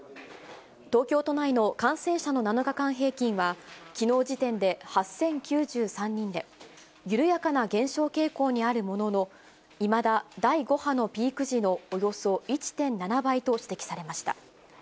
東京都内の感染者の７日間平均はきのう時点で８０９３人で、緩やかな減少傾向にあるものの、いまだ第５波のピーク時のおよそ１．７倍と指摘されました。